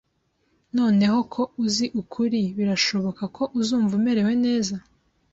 Noneho ko uzi ukuri, birashoboka ko uzumva umerewe neza.